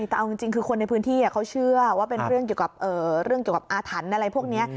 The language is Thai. เอาจริงคือคนในพื้นที่เขาเชื่อว่าเป็นเรื่องเกี่ยวกับอาถรรพ์อะไรพวกนี้